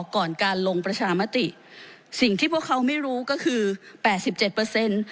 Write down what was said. ก่อนการลงประชามติสิ่งที่พวกเขาไม่รู้ก็คือแปดสิบเจ็ดเปอร์เซ็นต์